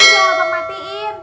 yaudah abang matiin